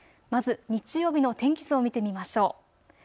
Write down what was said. まず日曜日の天気図を見てみましょう。